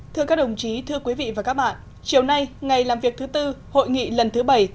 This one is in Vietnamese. thưa các đồng chí thưa quý vị và các bạn chiều nay ngày làm việc thứ tư hội nghị lần thứ bảy